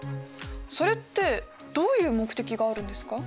それってどういう目的があるんですか？